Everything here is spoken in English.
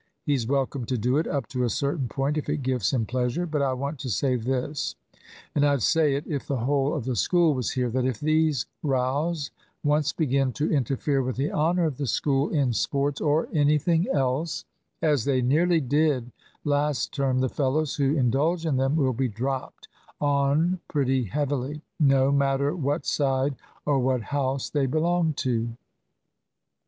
He's welcome to do it up to a certain point, if it gives him pleasure. But I want to say this and I'd say it if the whole of the school was here that if these rows once begin to interfere with the honour of the School in sports or anything else, as they nearly did last term, the fellows who indulge in them will be dropped on pretty heavily, no matter what side or what house they belong to."